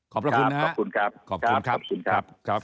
ขอบพระคุณนะฮะขอบคุณครับขอบคุณครับขอบคุณครับขอบคุณครับ